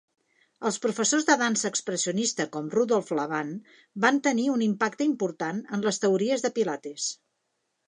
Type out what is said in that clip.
Els professors de dansa expressionista com Rudolf Laban van tenir un impacte important en les teories de Pilates.